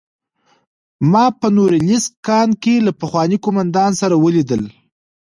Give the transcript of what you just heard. ما په نوریلیسک کان کې له پخواني قومندان سره ولیدل